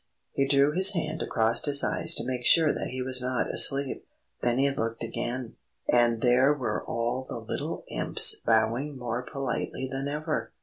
He drew his hand across his eyes to make sure that he was not asleep; then he looked again, and there were all the little Imps bowing more politely than ever.